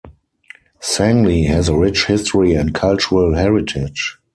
Sangli has a rich history and cultural heritage.